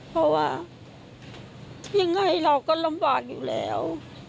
เพราะว่ายังไงเราก็ลำบากอยู่แล้ว